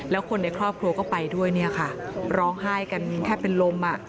แล้วคนในครอบครัวก็ไปด้วยเนี่ยค่ะร้องไห้กันแทบเป็นลม